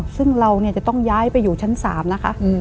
ซึ่งเราจะต้องย้ายไปอยู่ชั้น๓นะคะ